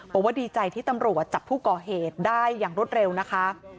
บอกว่าดีใจที่ตำรวจจับผู้ก่อเหตุได้อย่างรวดเร็วนะคะ